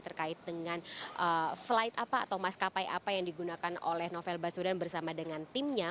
terkait dengan flight apa atau maskapai apa yang digunakan oleh novel baswedan bersama dengan timnya